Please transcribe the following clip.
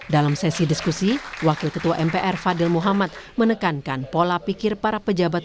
dalam sesi diskusi wakil ketua mpr fadil muhammad menekankan pola pikir para pejabat